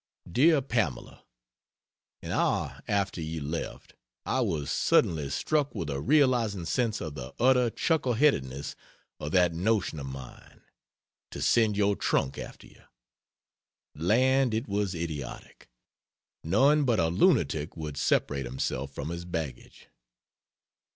DEAR PAMELA, An hour after you left I was suddenly struck with a realizing sense of the utter chuckle headedness of that notion of mine: to send your trunk after you. Land! it was idiotic. None but a lunatic would, separate himself from his baggage.